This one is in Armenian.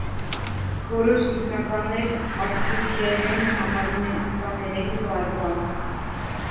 Որոշ գիտնականներ աստուրիերենը համարում են իսպաներենի բարբառ։